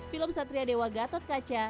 film satria dewa gatot kaca